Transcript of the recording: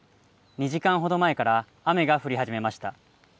２時間ほど前から雨が降り始めました。